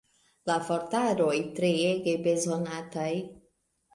La vortaroj treege bezonataj.